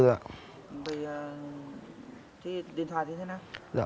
vậy thì điện thoại thì thế nào